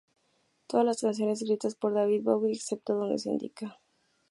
Todas las canciones escritas por David Bowie, excepto donde se indica.